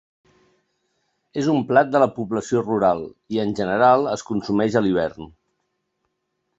És un plat de la població rural i, en general es consumeix a l'hivern.